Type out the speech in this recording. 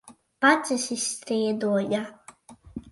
Pats esi strīdoņa!